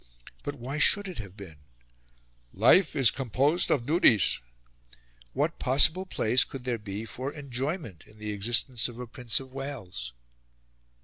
But why should it have been? "Life is composed of duties." What possible place could there be for enjoyment in the existence of a Prince of Wales?